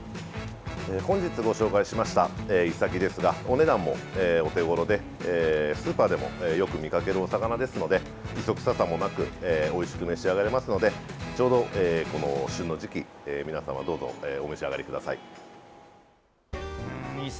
本日ご紹介しましたイサキですがお値段もお手ごろでスーパーでもよく見かけるお魚ですので磯臭さもなくおいしく召し上がれますのでちょうど旬の時期、皆様どうぞお召し上がりください。